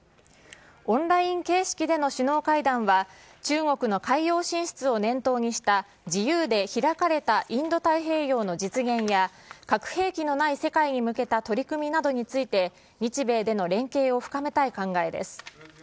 オンライン形式での首脳会談は、中国の海洋進出を念頭にした、自由で開かれたインド太平洋の実現や、核兵器のない世界に向けた取り組みなどについて、日米での連携を深めたい考えです。